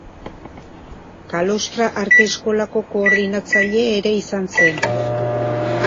Kalostra Arte Eskolako koordinatzaile ere izan zen.